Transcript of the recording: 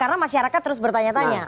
karena masyarakat terus bertanya tanya